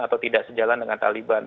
atau tidak sejalan dengan taliban